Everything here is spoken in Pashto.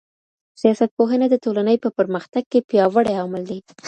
سياست پوهنه د ټولنې په پرمختګ کي پياوړی عامل دی.